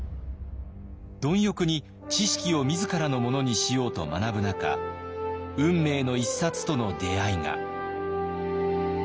貪欲に知識を自らのものにしようと学ぶ中運命の一冊との出会いが。